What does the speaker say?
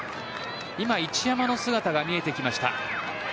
一山の姿が見えてきました。